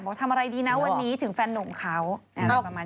ทำอะไรดีนะวันนี้ถึงแฟนนุ่มเขาอะไรประมาณ